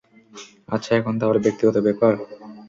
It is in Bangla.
আচ্ছা, এখন তাহলে ব্যক্তিগত ব্যাপার?